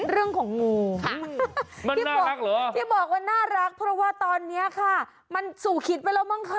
เรื่องของงูค่ะที่บอกว่าน่ารักเพราะว่าตอนนี้ค่ะมันสูขีดไปแล้วมั้งคะ